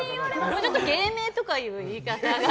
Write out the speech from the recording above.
もうちょっと芸名とかいう言い方。